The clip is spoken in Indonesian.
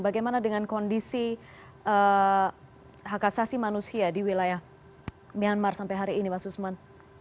bagaimana dengan kondisi hak asasi manusia di wilayah myanmar sampai hari ini mas usman